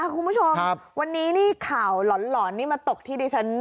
คุณผู้ชมวันนี้นี่ข่าวหลอนนี่มาตกที่ดิฉัน